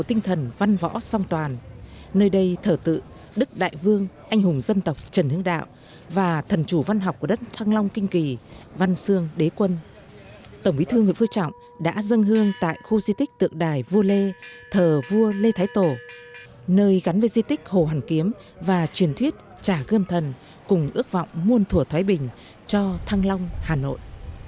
đảng bộ hà nội phải là đảng bộ gương tại khu di tích tượng đài vua lê thờ vua lê thái tổ nơi gắn với di tích hồ hẳn kiếm và truyền thuyết trả gươm thần cùng ước vọng muôn thủa thoái bình cho thăng long hà nội